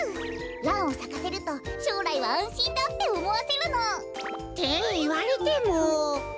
ランをさかせるとしょうらいはあんしんだっておもわせるの。っていわれても。